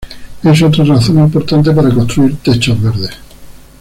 Es otra razón importante para construir techos verdes.